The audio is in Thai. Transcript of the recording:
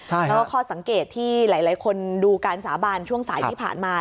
แล้วก็ข้อสังเกตที่หลายคนดูการสาบานช่วงสายที่ผ่านมา